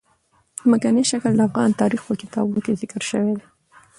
ځمکنی شکل د افغان تاریخ په کتابونو کې ذکر شوي دي.